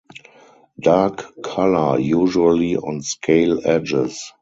Dark colour usually on scale edges.